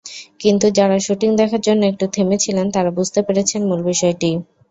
কিন্তু যাঁরা শুটিং দেখার জন্য একটু থেমেছিলেন, তাঁরা বুঝতে পেরেছেন মূল বিষয়টি।